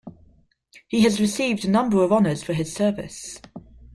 He has received a number of honours for his service.